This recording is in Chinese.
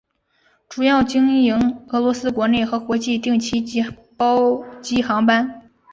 主要经营俄罗斯国内和国际定期及包机航班。